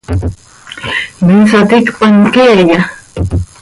¿Me saticpan queeya?